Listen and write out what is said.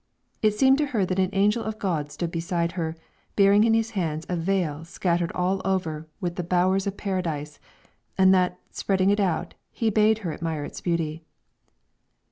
It seemed to her that an angel of God stood beside her, bearing in his hands a veil scattered all over with the Bowers of Paradise, and that, spreading it out, he bade her admire its beauty.